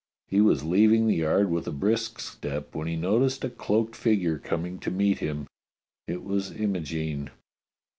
He was leaving the yard with a brisk step when he noticed a cloaked figure coming to meet him. It was Imogene.